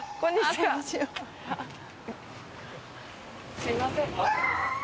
すみません。